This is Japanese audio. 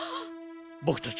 ぼくたち